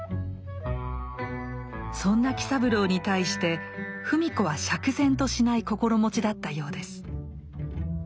そんな喜三郎に対して芙美子は釈然としない心持ちだったようです。